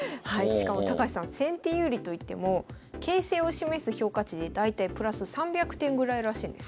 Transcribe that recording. しかも高橋さん先手有利といっても形勢を示す評価値で大体プラス３００点ぐらいらしいんですよ。